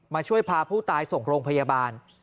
ช่วยพาผู้ตายส่งโรงพยาบาล